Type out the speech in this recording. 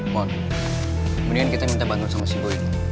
mon mendingan kita minta bantuan sama si boy